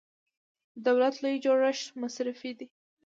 د دولت لوی جوړښت مصرفي دی.